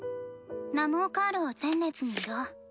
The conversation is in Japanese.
ナモーカールを前列に移動。